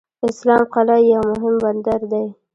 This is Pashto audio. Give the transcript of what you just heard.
اسلام قلعه یو مهم بندر دی.